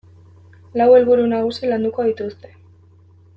Lau helburu nagusi landuko dituzte.